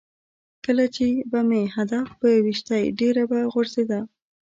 کله چې به مې هدف په ویشتی ډېره به غورځېده.